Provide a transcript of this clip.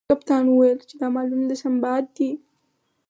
کپتان وویل چې دا مالونه د سنباد دي.